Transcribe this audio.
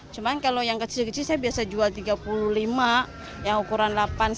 cuma kalau yang kecil kecil saya biasa jual tiga puluh lima yang ukuran delapan puluh